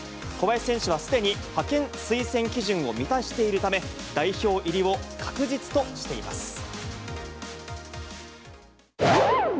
小林選手はすでに派遣推薦基準を満たしているため、代表入りを確実としています。